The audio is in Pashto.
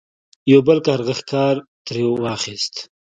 یو بل کارغه ښکار ترې واخیست.